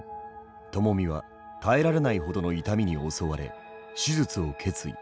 ともみは耐えられないほどの痛みに襲われ手術を決意。